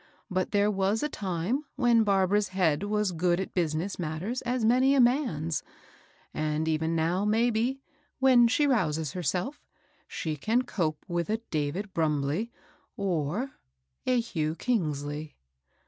But there was a time when Barbara's head was good at business matters as many a man's ; and even now, maybe, when she rouses herself, she can cope with a David Brumbley, or — a Hugh Kingsley.